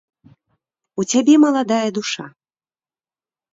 У цябе маладая душа.